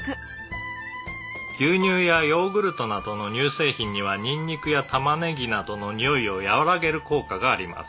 「牛乳やヨーグルトなどの乳製品にはニンニクやタマネギなどのにおいを和らげる効果があります」